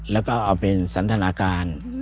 แล้วก็เอาเป็นสันทนาการ